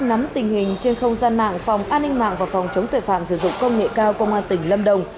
nắm tình hình trên không gian mạng phòng an ninh mạng và phòng chống tuệ phạm sử dụng công nghệ cao công an tỉnh lâm đồng